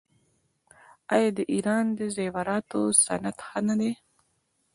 آیا د ایران د زیوراتو صنعت ښه نه دی؟